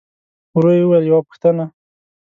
ورو يې وويل: يوه پوښتنه!